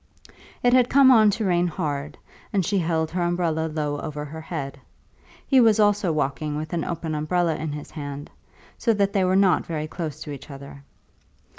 It had come on to rain hard, and she held her umbrella low over her head. He also was walking with an open umbrella in his hand, so that they were not very close to each other.